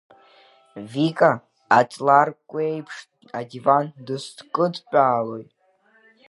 Вика, аҵларкәкәеиԥш адиван бызкыдтәалои?